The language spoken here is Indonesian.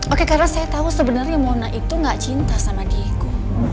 ok karena saya tau sebenernya mona itu gak cinta sama diego